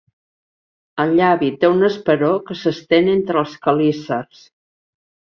El llavi té un esperó que s'estén entre els quelícers.